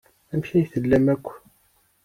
Amek ay tellam akk?